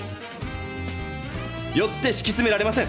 よってしきつめられません。